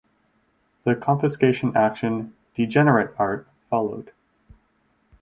The confiscation action "Degenerate Art" followed.